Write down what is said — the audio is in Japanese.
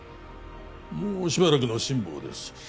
もうしばらくの辛抱です